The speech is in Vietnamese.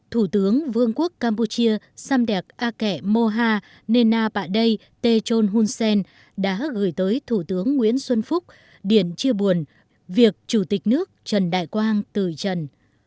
thủ tướng vương quốc campuchia samdek ake moha nenabadei techon hunsen đã gửi tới thủ tướng nguyễn xuân phúc điển chia buồn việc chủ tịch nước trần đại quang từ trần